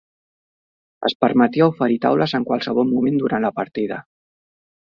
Es permetia oferir taules en qualsevol moment durant la partida.